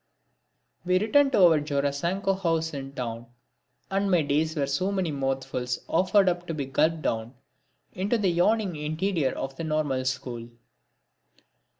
We returned to our Jorasanko house in town. And my days were as so many mouthfuls offered up to be gulped down into the yawning interior of the Normal School.